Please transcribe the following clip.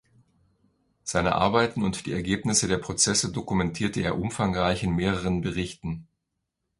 Seine Arbeiten und die Ergebnisse der Prozesse dokumentierte er umfangreich in mehreren Berichten.